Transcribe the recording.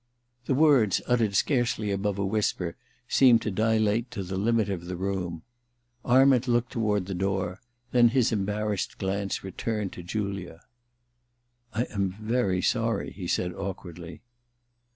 The words, uttered scarcely above a whisper, seemed to dilate to the limit of the room. Arment looked toward the door ; then his embarrassed glance returned to Julia. * I am very sorry,* he said awkwardly.